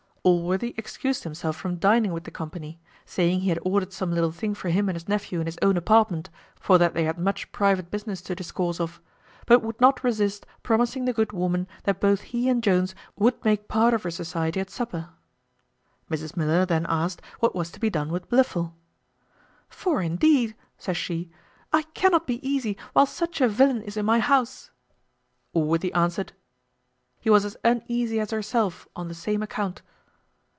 Allworthy excused himself from dining with the company, saying he had ordered some little thing for him and his nephew in his own apartment, for that they had much private business to discourse of; but would not resist promising the good woman that both he and Jones would make part of her society at supper. Mrs Miller then asked what was to be done with Blifil? "for indeed," says she, "I cannot be easy while such a villain is in my house." Allworthy answered, "He was as uneasy as herself on the same account."